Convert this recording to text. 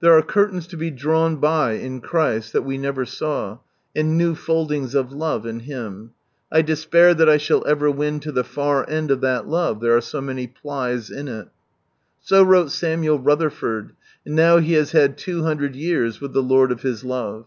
"There are curtains to be drawn by in Christ that we never saw, and new foldings of love in Him. I despair that I s to the far end of that love, there are so many plies in it!" So wrote Samuel Rutherford, and now he has had two hundred years with the Lord of his love.